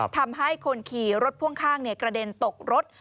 ทำให้คนขี่รถพ่วงข้างกระเด็นตกรถ